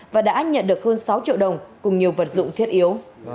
và đã nhận được hơn sáu triệu đồng cùng nhiều vật dụng thiết yếu